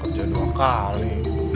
kerja dua kali